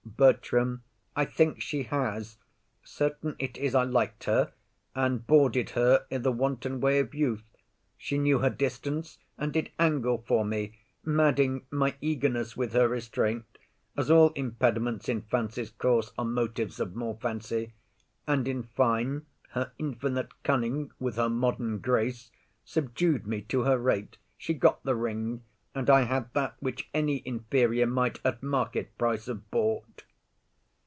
BERTRAM. I think she has. Certain it is I lik'd her And boarded her i' the wanton way of youth. She knew her distance, and did angle for me, Madding my eagerness with her restraint, As all impediments in fancy's course Are motives of more fancy; and in fine, Her infinite cunning with her modern grace, Subdu'd me to her rate; she got the ring, And I had that which any inferior might At market price have bought.